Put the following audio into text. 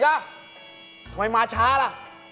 ทำไมมาช้าล่ะ